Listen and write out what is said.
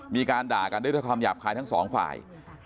มีการด่ากันด้วยคำหยาบคายทั้งสองฝ่าย